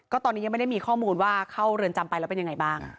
ตอนนี้ยังไม่ได้มีข้อมูลว่าเข้าเรือนจำไปแล้วเป็นยังไงบ้าง